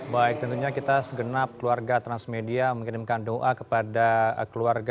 baik tentunya kita segenap keluarga transmedia mengirimkan doa kepada keluarga